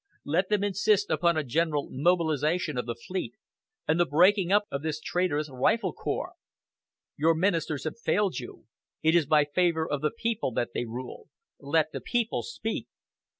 Let them insist upon a general mobilization of the fleet, and the breaking up of this traitorous Rifle Corps. Your ministers have failed you! It is by favor of the people that they rule! Let the people speak!"